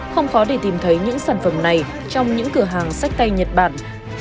không khó để tìm thấy những sản phẩm này trong những cửa hàng sách tay nhật bản